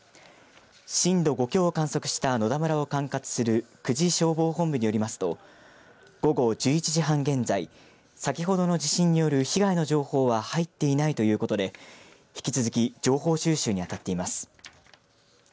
震度５強を観測した野田村を管轄する久慈消防本部によりますと午後１１時半現在先ほどの地震による被害の情報は入っていないということで引き続き情報収集にあたっています。